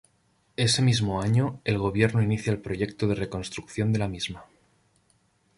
Ese mismo año el gobierno inicia el proyecto de reconstrucción de la misma.